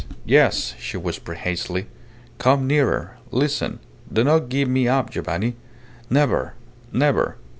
Yes!" she whispered, hastily. "Come nearer! Listen! Do not give me up, Giovanni! Never, never!